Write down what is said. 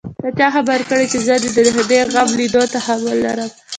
ته چا خبره کړې چې زه د دې غم ليدو تحمل لرم.